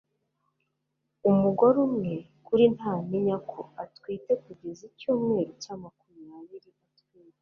Umugore umwe kuri ntamenya ko atwite kugeza icyumweru cya makumyabiri atwite